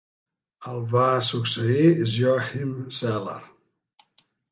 El va succeir Joachim Zeller.